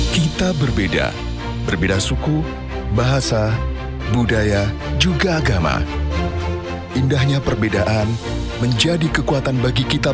kita berbeda berbeda suku bahasa budaya juga agama indahnya perbedaan menjadi kekuatan bagi kita